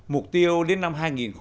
mục tiêu đến năm hai nghìn hai mươi